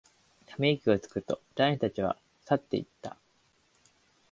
ため息をつくと、男子たちは散っていった。